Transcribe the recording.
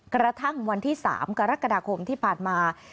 กระทั่งวันที่๓กรกฎาคมที่ผ่านมา